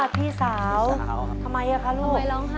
พี่สาวทำไมคะลูก